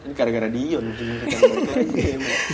ini gara gara dion